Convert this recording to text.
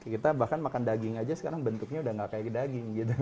kita bahkan makan daging aja sekarang bentuknya udah gak kayak daging gitu